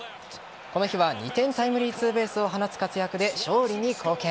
この日は２点タイムリーツーベースを放つ活躍で勝利に貢献。